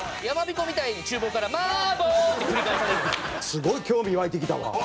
すごい興味湧いてきたわ。